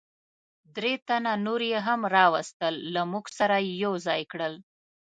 درې تنه نور یې هم را وستل، له موږ سره یې یو ځای کړل.